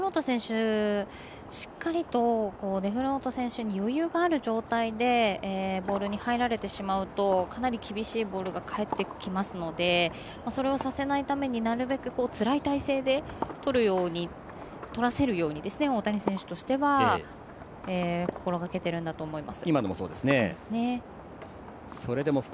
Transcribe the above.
しっかりとデフロート選手に余裕がある状態でボールに入られてしまうとかなり厳しいボールが返ってきますのでそれをさせないためになるべくつらい体勢でとらせるように大谷選手としては心がけているんだと思います。